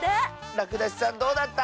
らくだしさんどうだった？